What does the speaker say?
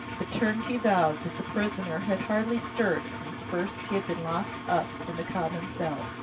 The turnkey vowed that the prisoner had hardly stirred since first he had been locked up in the common cell.